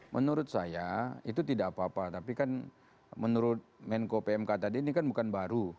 menurut saya itu tidak apa apa tapi kan menurut menko pmk tadi ini kan bukan baru